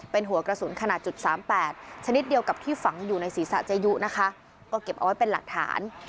เป็นหัวกระสุนขนาดจุดสามแปดชนิดเดียวกับที่ฝังอยู่ในศีรษะเจยุนะคะก็เก็บเอาไว้เป็นหลักฐาน